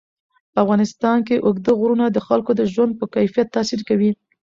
په افغانستان کې اوږده غرونه د خلکو د ژوند په کیفیت تاثیر کوي.